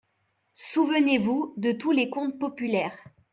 Souvenez-vous de tous les contes populaires.